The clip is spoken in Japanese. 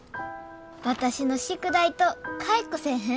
私の宿題と換えっこせえへん？